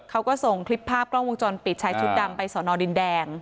เขาก็ส่งคลิปภาพกล้องวงจรปิดชายชุดดำไปสอนอดินแดง